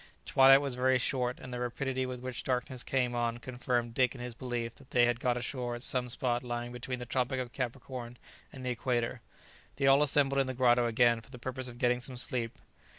Twilight was very short, and the rapidity with which darkness came on confirmed Dick in his belief that they had got ashore at some spot lying between the tropic of Capricorn and the equator. They all assembled in the grotto again for the purpose of getting some sleep.